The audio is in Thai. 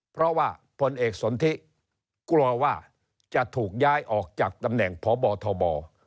เพราะว่าผลเอกสนทิกลัวว่าจะถูกย้ายออกจากตำแหน่งพบทบ